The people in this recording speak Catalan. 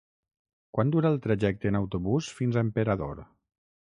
Quant dura el trajecte en autobús fins a Emperador?